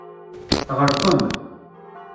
Tɣelqem.